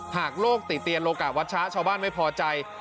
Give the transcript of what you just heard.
หากโลกติเตียนโลกะวัชชะชาวบ้านไม่พอใจ